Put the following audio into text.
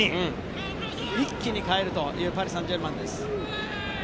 一気に代えるというパリ・サンジェルマンです。